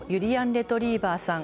レトリィバァさん、